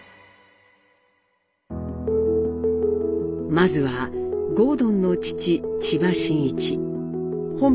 まずは郷敦の父・千葉真一本名